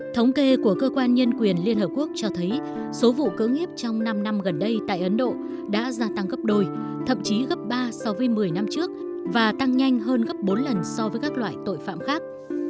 thống kê của cơ quan nhân quyền liên hợp quốc cho thấy số vụ cưỡng hấp trong năm năm gần đây tại ấn độ đã gia tăng gấp đôi thậm chí gấp ba so với một mươi năm trước và tăng nhanh hơn gấp bốn lần so với các loại tội phạm khác